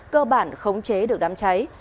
cơ bản khống chế được đám cháy